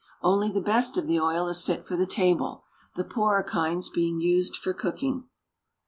Only the best of the oil is fit for the table, the poorer kinds being used for cooking.